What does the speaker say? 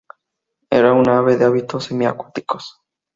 Era una ave de hábitos semiacuáticos.